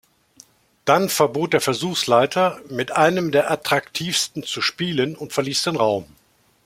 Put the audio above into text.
Dann verbot der Versuchsleiter, mit einem der attraktivsten zu spielen und verließ den Raum.